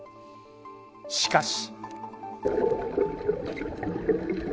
しかし。